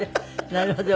なるほど。